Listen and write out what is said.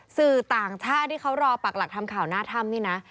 สื่อต่างชาติที่เขารอปักหลักทำข่าวหน้าถ้ำนี่นะ